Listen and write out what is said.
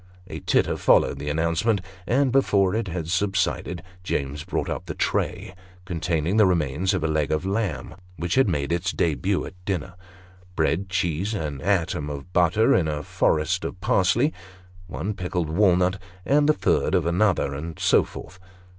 A titter followed this announcement, and before it had subsided James brought up " the tray," containing the remains of a leg of lamb which had made its debut at dinner ; bread ; cheese ; an atom of butter in a forest of parsley ; one pickled walnut and the third of another ; and so forth.